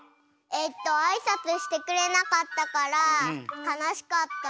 えっとあいさつしてくれなかったからかなしかった。